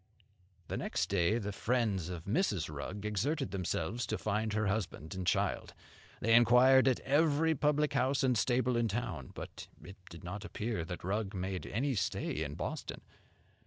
The next day the friends of Mrs. Rugg exerted themselves to find her husband and child. They inquired at every public house and stable in town; but it did not appear that Rugg made any stay in Boston.